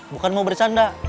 bukan mau bercanda